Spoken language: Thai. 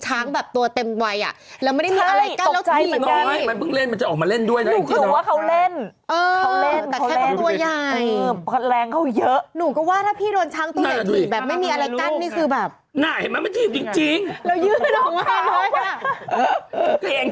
ช้างแบบตัวเต็มไวแล้วไม่ได้มีอะไรกั้นแล้วสีหญิง